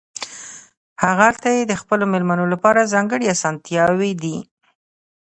هغلته یې د خپلو مېلمنو لپاره ځانګړې اسانتیاوې دي.